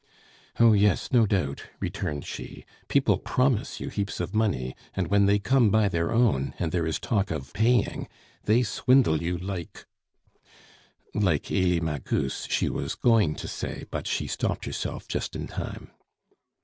"Oh yes, no doubt," returned she. "People promise you heaps of money, and when they come by their own, and there is talk of paying they swindle you like " "Like Elie Magus," she was going to say, but she stopped herself just in time.